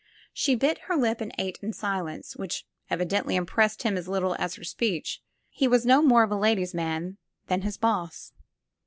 She bit her lip and ate in silence, which evidently im pressed him as little as her speech. He was no more a ladies' man than his boss.